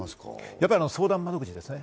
やっぱり相談窓口ですね